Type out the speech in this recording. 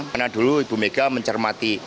karena dulu ibu mega mencermati